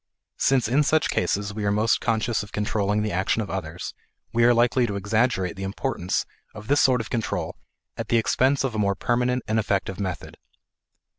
Since in such cases we are most conscious of controlling the action of others, we are likely to exaggerate the importance of this sort of control at the expense of a more permanent and effective method.